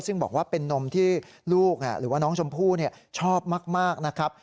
ซึ่งบอกว่าเป็นนมที่ลูกหรือว่าน้องชมพู่ชอบมากนะครับ